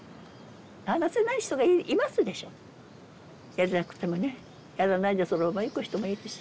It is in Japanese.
やりたくてもねやらないでそのままいく人もいるし。